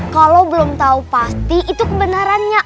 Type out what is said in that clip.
kalau belum tahu pasti itu kebenarannya